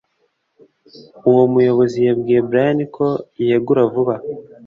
Uwo muyobozi yabwiye Brian ko yegura vuba